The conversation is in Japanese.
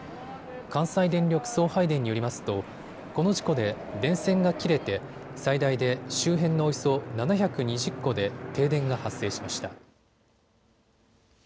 関西電力送配電によりますとこの事故で電線が切れて最大で周辺のおよそ７２０戸で停電が発生しました。